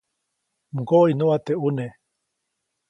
ʼMgoʼiʼnuʼa teʼ ʼuneʼ.